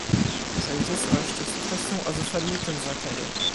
Przejrzystość jest kwestią o zasadniczym znaczeniu